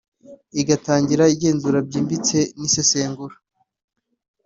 igatangira igenzura ryimbitse n’isesengura